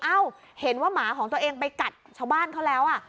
เอ้าเห็นว่าหมาของตัวเองไปกัดชาวบ้านเขาแล้ว